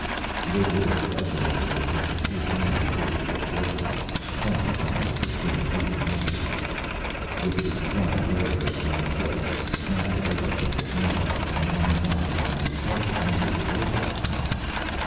The overworked leg motor would have to cool down before he could work on it, plenty of time to skim through the newspaper. With the chronic worry of the unemployed, he snapped it open at the want ads and ran his eye down the Help Wanted Robot column.